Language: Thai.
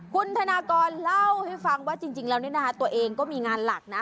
คุณธนากรเล่าให้ฟังว่าจริงแล้วนี่นะคะตัวเองก็มีงานหลักนะ